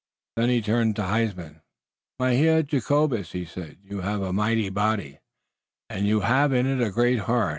Then he turned to Huysman. "Mynheer Jacobus," he said, "you have a mighty body, and you have in it a great heart.